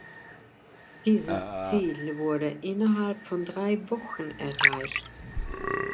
Dieses Ziel wurde innerhalb von drei Wochen erreicht.